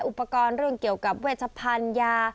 อุปกรณ์เรื่องเกี่ยวกับเวชพันธุ์ยา